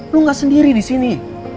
lo gak sendiri disini